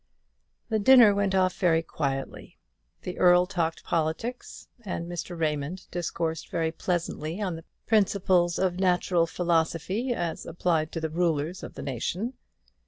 The dinner went off very quietly. The Earl talked politics, and Mr. Raymond discoursed very pleasantly on the principles of natural philosophy as applied to the rulers of the nation.